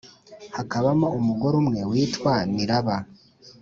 hakabamo umugore umwe witwa niraba,